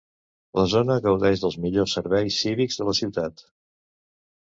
La zona gaudeix dels millors serveis cívics de la ciutat.